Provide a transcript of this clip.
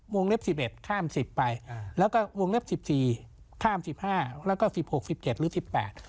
วงเล็บ๑๑ข้าม๑๐ไปแล้วก็วงเล็บ๑๔ข้าม๑๕แล้วก็๑๖๑๗หรือ๑๘